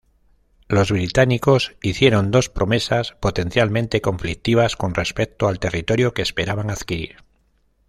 Los británicos hicieron dos promesas potencialmente conflictivas con respecto al territorio que esperaban adquirir.